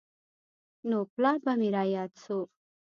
نو پلار به مې راياد سو.